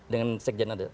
dengan sekjen ada